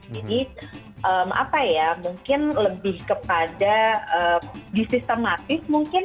jadi apa ya mungkin lebih kepada disistematis mungkin